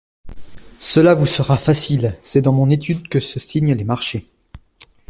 Cela vous sera facile … c'est dans mon étude que se signent les marchés.